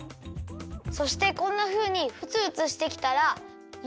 そしてこんなふうにふつふつしてきたらよ